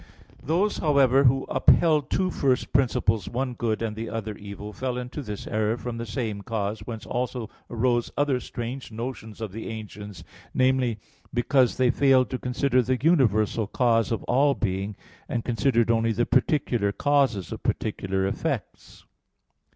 Those, however, who upheld two first principles, one good and the other evil, fell into this error from the same cause, whence also arose other strange notions of the ancients; namely, because they failed to consider the universal cause of all being, and considered only the particular causes of particular effects.